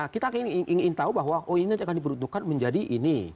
kita ingin tahu bahwa ini akan diperuntukkan menjadi ini